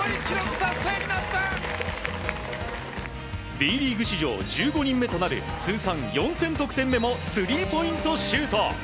Ｂリーグ史上１５人目となる通算４０００点得点目もスリーポイントシュート！